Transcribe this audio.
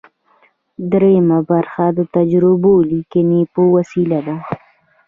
دریمه برخه د تجربوي لیکنې په وسیله ده.